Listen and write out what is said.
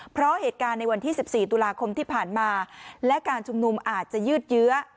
เพราะเหตุการณ์ในวันที่๑๔ตุลาคมที่ผ่านมาและการชุมนุมอาจจะยืดเยื้อ